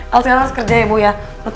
el sekarang harus kerja ya ibu ya